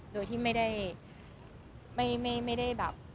โดยที่ไม่ได้แบบ